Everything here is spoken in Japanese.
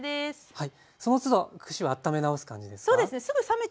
はい。